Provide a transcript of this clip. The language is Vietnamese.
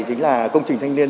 chính là công trình thanh niên